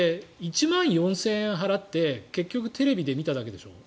１万４０００円払って結局テレビで見ただけでしょ。